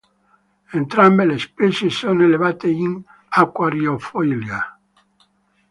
Entrambe le specie sono allevate in acquariofilia.